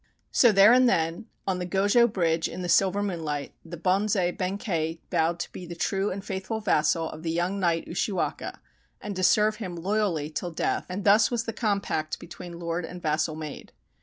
So there and then, on the Go jo Bridge in the silver moonlight, the bonze Benkei vowed to be the true and faithful vassal of the young knight Ushiwaka and to serve him loyally till death, and thus was the compact between lord and vassal made.